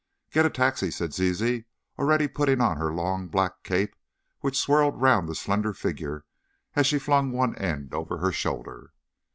"Get a taxi," said Zizi, already putting on her long black cape, which swirled round the slender figure as she flung one end over her shoulder.